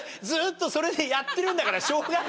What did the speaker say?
ずっとそれでやってるんだから。